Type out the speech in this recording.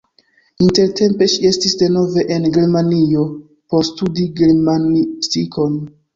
Intertempe ŝi estis denove en Germanio por studi germanistikon.